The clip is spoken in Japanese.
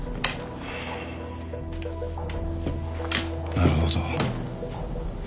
なるほど。